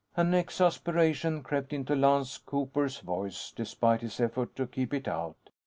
An exasperation crept into Lance Cooper's voice, despite his effort to keep it out.